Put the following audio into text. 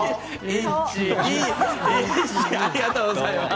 ありがとうございます。